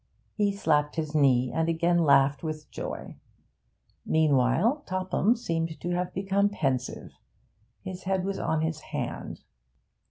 He slapped his knee, and again laughed with joy. Meanwhile Topham seemed to have become pensive, his head was on his hand.